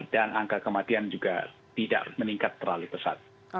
dan angka kematian juga tidak meningkat terlalu besar